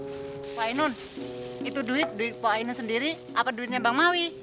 pak ainun itu duit duit pak ainun sendiri apa duitnya bang mawi